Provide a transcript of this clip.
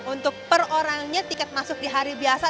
untuk per orangnya tiket masuk di hari biasa